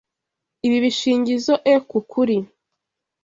Ibi bishingizoe ku kuri.